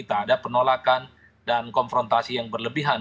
tak ada penolakan dan konfrontasi yang berlebihan